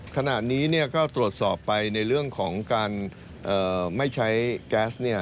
ขณะนี้ก็ตรวจสอบไปในเรื่องของการไม่ใช้แก๊สเนี่ย